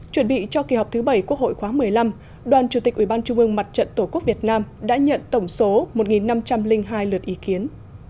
chuẩn bị cho kỳ họp thứ bảy quốc hội khóa một mươi năm đoàn chủ tịch ủy ban trung ương mặt trận tổ quốc việt nam đã nhận tổng số một năm trăm linh hai lượt ý kiến